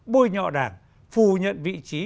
bôi nhọ đảng phù nhận vị trí